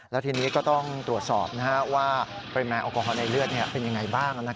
แล้วทีนี้ก็ต้องตรวจสอบว่าปริมาณแอลกอฮอลในเลือดเป็นยังไงบ้าง